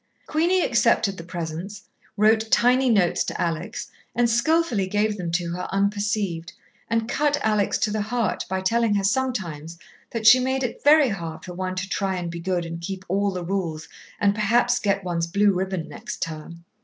Queenie accepted the presents, wrote tiny notes to Alex and skilfully gave them to her unperceived, and cut Alex to the heart by telling her sometimes that she made it very hard for one to try and be good and keep all the rules and perhaps get one's blue ribbon next term.